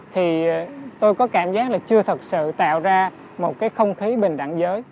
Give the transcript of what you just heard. thì tôi có cảm giác là chưa thật sự tạo ra một cái không khí bình đẳng giới